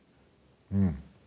うん。